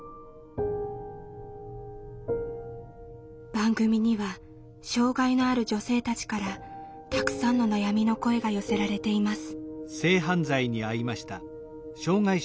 番組には障害のある女性たちからたくさんの悩みの声が寄せられています。